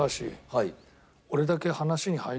はい。